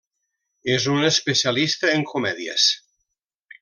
És un especialista en comèdies.